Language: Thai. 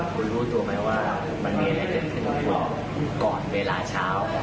คุณรู้ตัวไหมว่ามันมีอะไรจะขึ้นก่อนเวลาเช้า